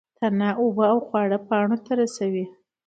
تنه اوبه او خواړه پاڼو ته رسوي